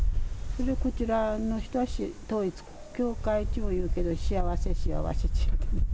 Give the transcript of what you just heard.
それでこちらの人は統一教会とも言うけど、幸せ、幸せって。